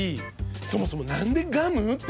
そもそも何でガム？って